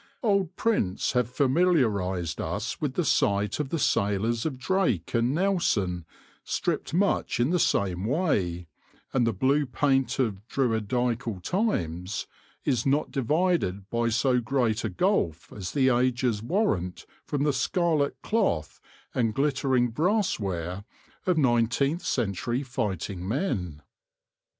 Old prints have familiarised us with the sight of the sailors of Drake and Nelson stripped much in the same way ; and the blue paint of Druidieal times is not divided by so great a gulf as the ages warrant from the scarlet cloth and glittering brass ware of nineteenth century fighting men.